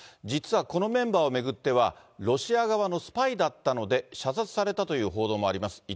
実はこのメンバーを巡っては、ロシア側のスパイだったので、射殺されたという報道もあります。